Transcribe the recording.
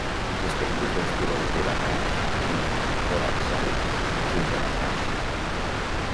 S'estén des dels turons de Bangash i Orakzai fins a Bangashs.